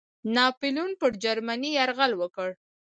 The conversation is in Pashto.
ناپلیون پر جرمني یرغل وکړ.